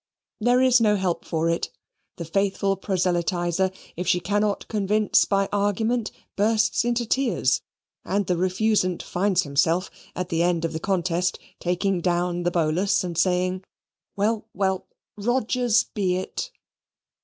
There is no help for it; the faithful proselytizer, if she cannot convince by argument, bursts into tears, and the refusant finds himself, at the end of the contest, taking down the bolus, and saying, "Well, well, Rodgers' be it."